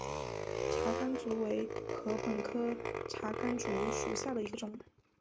茶竿竹为禾本科茶秆竹属下的一个种。